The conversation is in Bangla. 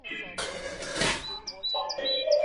এখানেরটা শেষ হয়ে গেছে।